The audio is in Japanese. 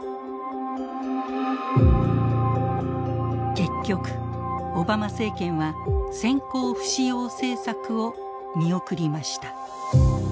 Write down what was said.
結局オバマ政権は先行不使用政策を見送りました。